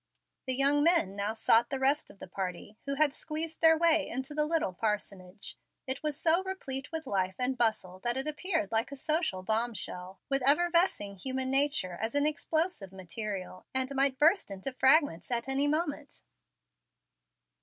The young men now sought the rest of the party, who had squeezed their way into the little parsonage. It was so replete with life and bustle that it appeared like a social bombshell, with effervescing human nature as an explosive material, and might burst into fragments at any moment.